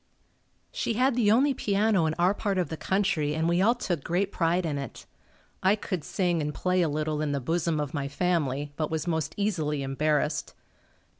She had the only piano in our part of the country and we all took great pride in it. I could sing and play a little in the bosom of my family, but was most easily embarrassed.